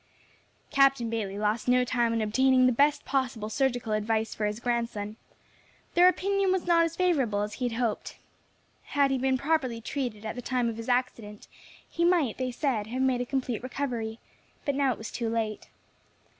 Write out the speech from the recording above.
Captain Bayley lost no time in obtaining the best possible surgical advice for his grandson; their opinion was not as favourable as he had hoped. Had he been properly treated at the time of his accident he might, they said, have made a complete recovery; but now it was too late.